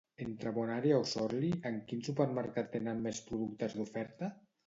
Entre BonÀrea o Sorli, en quin supermercat tenen més productes d'oferta?